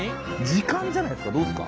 時間じゃないですか？